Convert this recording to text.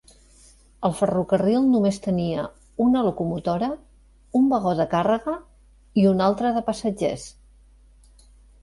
El ferrocarril només tenia una locomotora, un vagó de càrrega i un altre de passatgers.